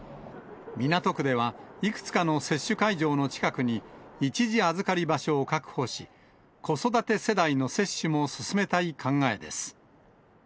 港区ではいくつかの接種会場の近くに一時預かり場所を確保し、子育て世代の接種も進めたい考えです。